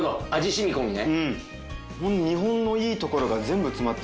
染み込みね。